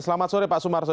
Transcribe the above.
selamat sore pak sumarso